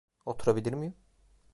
Oturabilir miyim?